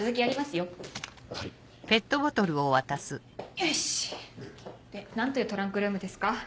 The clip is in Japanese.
よしで何というトランクルームですか？